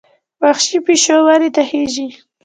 وحشي پیشو ونې ته خېژي.